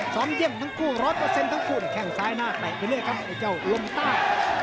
ซ้อมเยี่ยมทั้งคู่ร้อยเปอร์เซ็นทั้งคู่แข่งซ้ายหน้าไปเรื่อยครับไอ้เจ้าลมต้า